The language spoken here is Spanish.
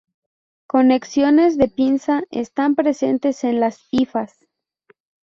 Conexiones de pinza están presentes en las hifas.